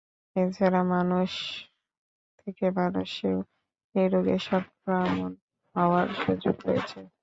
এ ছাড়া মানুষ থেকে মানুষেও এ রোগের সংক্রমণ হওয়ার সুযোগ রয়েছে।